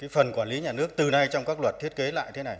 phần quản lý nhà nước từ nay trong các luật thiết kế lại thế này